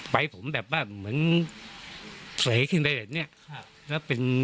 ไฟผมเหมือนเสร่ขึ้นไปเหล็ด